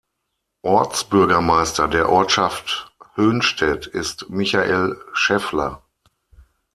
Ortsbürgermeister der Ortschaft Höhnstedt ist Michael Scheffler.